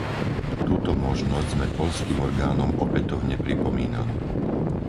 Túto možnosť sme poľským orgánom opätovne pripomínali.